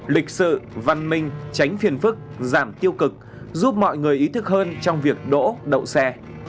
lịch sự văn minh tránh phiền phức giảm tiêu cực giúp mọi người ý thức hơn trong việc đỗ đậu xe